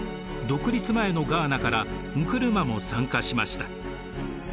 独立前のガーナからンクルマも参加しました。